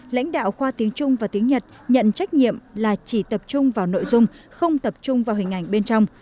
lãnh đạo khoa tiếng trung và tiếng nhật nhận trách nhiệm là chỉ tập trung vào nội dung không tập trung vào hình ảnh bên trong